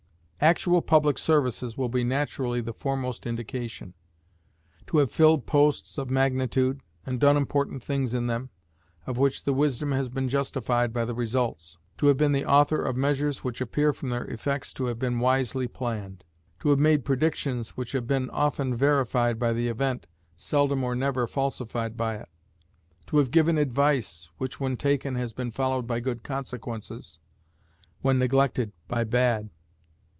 Actual public services will naturally be the foremost indication: to have filled posts of magnitude, and done important things in them, of which the wisdom has been justified by the results; to have been the author of measures which appear from their effects to have been wisely planned; to have made predictions which have been of verified by the event, seldom or never falsified by it; to have given advice, which when taken has been followed by good consequences when neglected, by bad.